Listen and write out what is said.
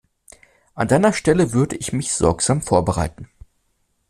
An deiner Stelle würde ich mich sorgsam vorbereiten.